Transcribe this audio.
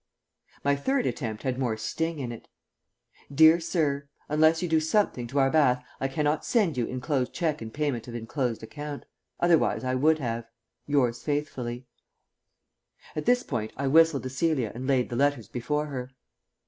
My third attempt had more sting in it: "DEAR SIR, Unless you do something to our bath I cannot send you enclosed cheque in payment of enclosed account. Otherwise I would have. Yours faithfully." At this point I whistled to Celia and laid the letters before her.